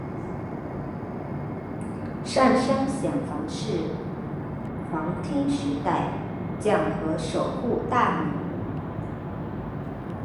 上杉显房是室町时代武将和守护大名。